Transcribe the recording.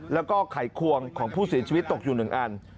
แล้วก็ไขควงของผู้เสียชีวิตตกอยู่๑อัน